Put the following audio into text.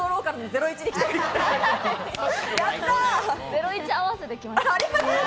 『ゼロイチ』合わせで来まし